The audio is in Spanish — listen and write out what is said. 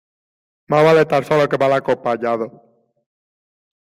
Más vale estar solo que mal acompañado.